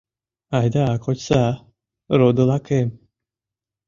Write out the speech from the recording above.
Айда кочса, родылакем!